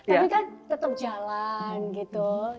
tapi kan tetap jalan gitu